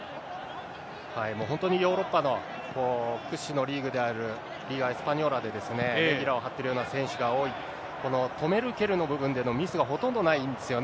本当にヨーロッパの屈指のリーグであるリーガ・エスパニョーラで、張ってるような選手が多い、この止める、蹴るの部分で、ミスがほとんどないんですよね。